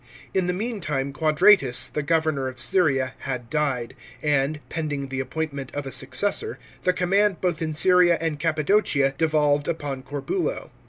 In the meantime Quadratus, the governor of Syria, had died, and, pending the appointment of a successor, the command both in Syria and Cappadocia, devolved upon Corbulo.